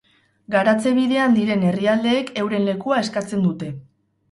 Garatze bidean diren herrialdeek euren lekua eskatzen dute.